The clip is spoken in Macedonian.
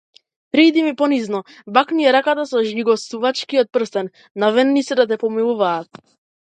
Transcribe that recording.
Пријди им понизно, бакни ја раката со жигосувачкиот прстен, наведни се да те помилуваат.